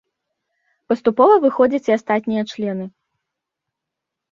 Паступова выходзяць і астатнія члены.